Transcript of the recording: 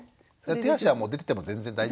手足は出てても全然大丈夫？